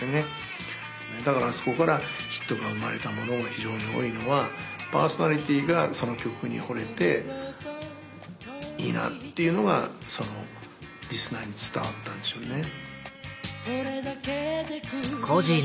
だからそこからヒットが生まれたものが非常に多いのはパーソナリティーがその曲に惚れていいなっていうのがリスナーに伝わったんでしょうね。